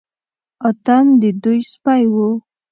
اتم د دوی سپی و.